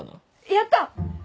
やった！